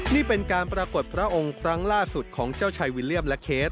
นี่เป็นการปรากฏพระองค์ครั้งล่าสุดของเจ้าชายวิลเลียมและเคส